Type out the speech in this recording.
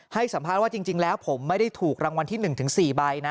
ให้สัมภาษณ์ว่าจริงจริงแล้วผมไม่ได้ถูกรางวัลที่หนึ่งถึงสี่ใบน่ะ